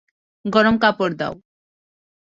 গরম কাপড় দাও।